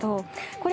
これ。